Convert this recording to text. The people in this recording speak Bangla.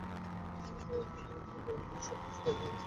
ভাই, একটু ধীরে ধীরে বলবেন, সবকিছুতে আপনার অনেক তাড়াহুড়ো আমরা জানি।